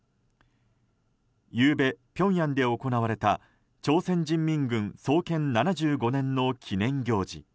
ゆうべ、ピョンヤンで行われた朝鮮人民軍創建７５年の記念行事。